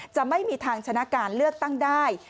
จะไม่มีทางชนะการเลือกตั้งได้